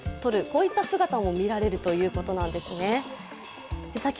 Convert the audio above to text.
こういった姿も見られるということなんですね。